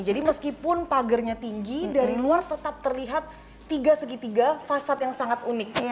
jadi meskipun pagernya tinggi dari luar tetap terlihat tiga segitiga fasad yang sangat unik